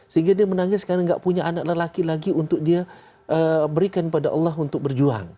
sehingga dia menangis karena tidak punya anak lelaki lagi untuk dia berikan pada allah untuk berjuang